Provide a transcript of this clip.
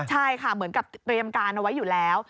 ใช่ค่ะเหมือนกับเตรียมการเอาไว้อยู่แล้ว